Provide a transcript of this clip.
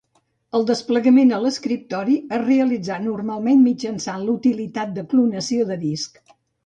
El desplegament a l'escriptori es realitza normalment mitjançant la utilitat de clonació de disc.